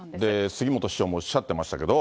杉本師匠もおっしゃってましたけど。